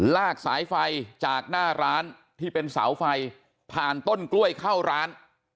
ลากสายไฟจากหน้าร้านที่เป็นเสาไฟผ่านต้นกล้วยเข้าร้าน